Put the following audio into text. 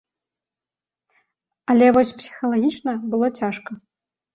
Але вось псіхалагічна было цяжка.